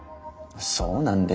そうなんですが。